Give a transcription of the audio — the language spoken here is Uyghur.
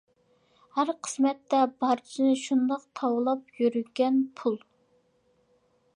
ھەر قىسمەتتە بارچىنى، شۇنداق تاۋلاپ يۈرگەن پۇل.